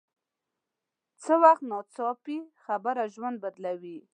څه وخت ناڅاپي خبره ژوند بدلوي